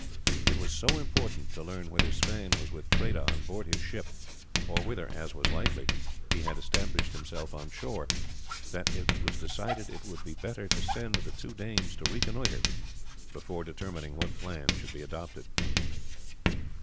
It was so important to learn whether Sweyn was with Freda on board his ship, or whether, as was likely, he had established himself on shore, that it was decided it would be better to send the two Danes to reconnoitre before determining what plan should be adopted.